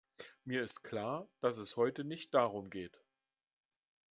Mir ist klar, dass es heute nicht darum geht.